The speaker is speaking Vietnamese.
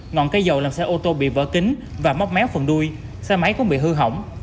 ngọn cây dầu làm xe ô tô bị vỡ kính và móc méo phần đuôi xe máy cũng bị hư hỏng